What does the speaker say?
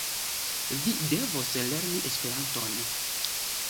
Vi devos lerni Esperanton.